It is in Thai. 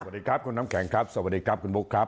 สวัสดีครับคุณน้ำแข็งครับสวัสดีครับคุณบุ๊คครับ